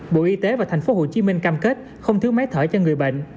bộ y tế và tp hcm cam kết không thiếu máy thở cho người bệnh